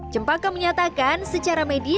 jempa kanova menyatakan secara berbeda